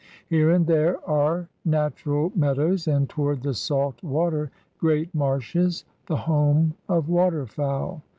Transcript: Here and there are natural meadows, and toward the salt water great marshes, the home of waterfowl.